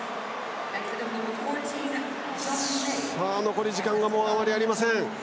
残り時間がもうあまりありません。